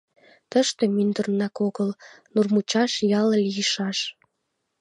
Тыште, мӱндырнак огыл, Нурмучаш ял лийшаш.